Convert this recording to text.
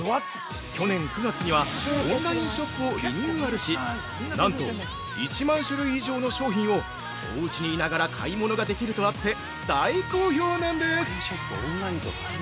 去年９月にはオンラインショップをリニューアルしなんと１万種類以上の商品をおうちにいながら買い物ができるとあって大好評なんです。